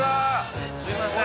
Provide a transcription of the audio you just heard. すいません